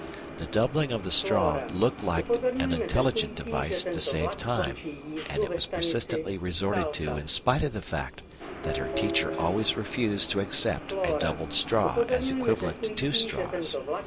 The doubling of the straw looked like an intelligent device to save time, and it was persistently resorted to in spite of the fact that her teacher always refused to accept a doubled straw as equivalent to two straws.